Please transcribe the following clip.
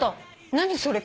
何それ？